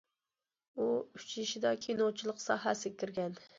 ئۇ ئۈچ يېشىدا كىنوچىلىق ساھەسىگە كىرگەن.